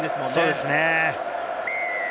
そうですね。